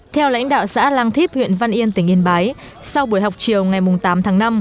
theo lãnh đạo xã lang thíp huyện văn yên tỉnh yên bái sau buổi học chiều ngày tám tháng năm